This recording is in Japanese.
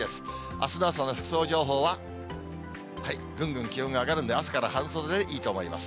あすの朝の服装情報は、ぐんぐん気温が上がるんで、朝から半袖でいいと思います。